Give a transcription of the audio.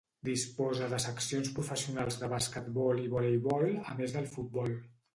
Disposa de seccions professionals de basquetbol i voleibol, a més del futbol.